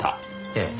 ええ。